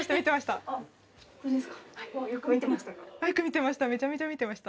あっよく見てましたか？